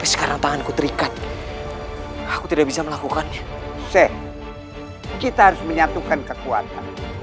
sheikh kita harus menyatukan kekuatan